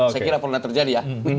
saya kira pernah terjadi ya